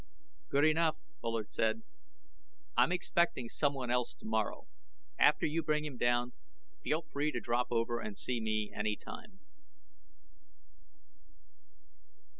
"Good enough," Bullard said. "I'm expecting someone else tomorrow. After you bring him down, feel free to drop over and see me anytime."